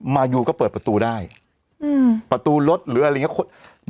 มายูก็เปิดประตูได้ประตูรถหรืออะไรอย่างนี้